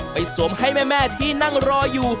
สวมให้แม่ที่นั่งรออยู่